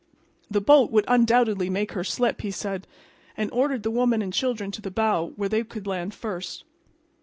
The boat would undoubtedly make her slip, he said, and ordered the women and children to the bow, where they could land first.